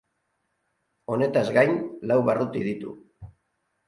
Honetaz gain lau barruti ditu.